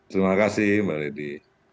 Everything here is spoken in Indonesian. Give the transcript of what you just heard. terima kasih mbak lady